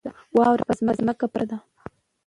واوره په ځمکه پرته ده.